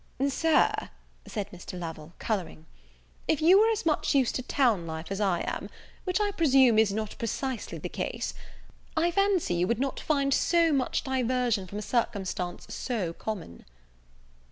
"Sir," said Mr. Lovel, colouring, "if you were as much used to town life as I am, which, I presume, is not precisely the case, I fancy you would not find so much diversion from a circumstance so common."